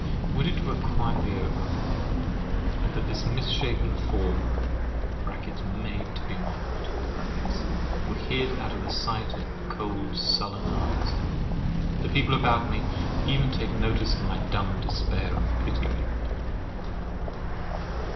Would it were quietly over; and that this misshapen form (made to be mocked) were hid out of the sight of cold, sullen eyes! The people about me even take notice of my dumb despair, and pity me.